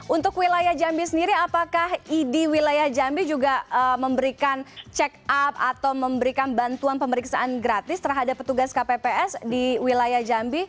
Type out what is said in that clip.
untuk wilayah jambi sendiri apakah idi wilayah jambi juga memberikan check up atau memberikan bantuan pemeriksaan gratis terhadap petugas kpps di wilayah jambi